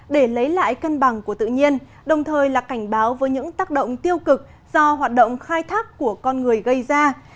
để lấy lại cân bằng của tự nhiên đồng thời là cảnh báo với những tác động tiêu cực do hoạt động khai thác của con người gây ra